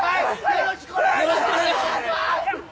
よろしくお願いします！